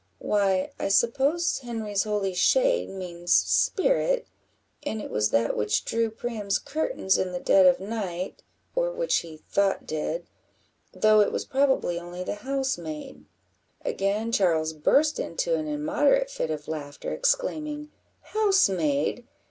"Why, I suppose Henry's holy shade means spirit, and it was that which drew Priam's curtains in the dead of night, (or which he thought did,) though it was probably only the housemaid." Again Charles burst into an immoderate fit of laughter, exclaiming "Housemaid!